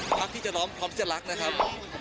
พักที่จะร้องพร้อมที่จะรักนะครับ